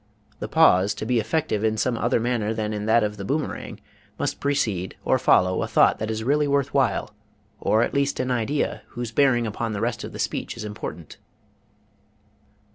The pause, to be effective in some other manner than in that of the boomerang, must precede or follow a thought that is really worth while, or at least an idea whose bearing upon the rest of the speech is important.